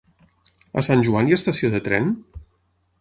A Sant Joan hi ha estació de tren?